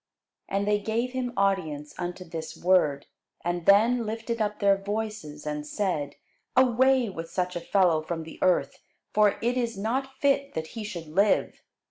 And they gave him audience unto this word, and then lifted up their voices, and said, Away with such a fellow from the earth: for it is not fit that he should live.